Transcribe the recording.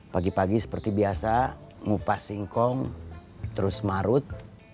pagi pagi seperti biasa ngupas singkong terus marut